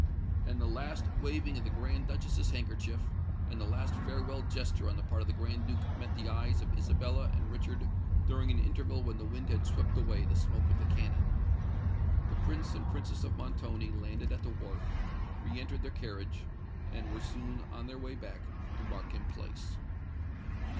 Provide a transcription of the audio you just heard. And the last waving of the Grand Duchess's handkerchief, and the last farewell gesture on the part of the Grand Duke met the eyes of Isabella and Richard during an interval when the wind had swept away the smoke of the cannon. The Prince and Princess of Montoni landed at the wharf, re entered their carriage, and were soon on their way back to Markham Place.